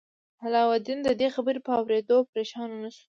علاوالدین د دې خبر په اوریدو پریشان نه شو.